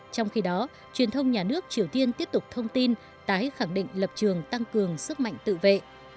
trong khi đó truyền thông nhà nước triều tiên tiếp tục thông tin tái khẳng định lập trường tăng cường sức mạnh tự vệ